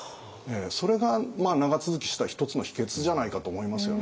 それが長続きした一つの秘訣じゃないかと思いますよね。